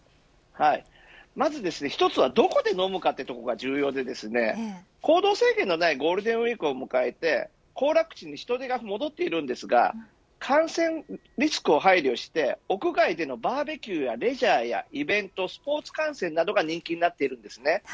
まず１つはどこで飲むかというところが重要で行動制限のないゴールデンウイークを迎えて行楽地に人出が戻っていますが感染リスクを配慮して屋外でのバーベキューやレジャーやイベントスポーツ観戦が人気になっています。